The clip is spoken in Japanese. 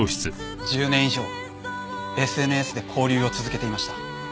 １０年以上ＳＮＳで交流を続けていました。